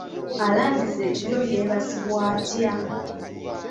Alandiza ekiryo yeebazibwa atya?